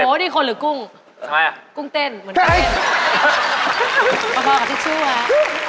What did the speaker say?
โอ้โหนี่คนหรือกุ้งสมัยอะกุ้งเต้นเหมือนกันเต้นพอพอกับทิชชู้ฮะ